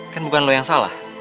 kan bukan lo yang salah